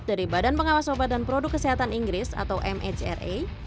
dari badan pengawas obat dan produk kesehatan inggris atau mhra